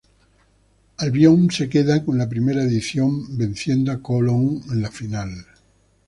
Albion se quedó con la primera edición, venciendo a Colón en la final.